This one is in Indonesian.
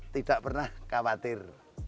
tidak pernah khawatir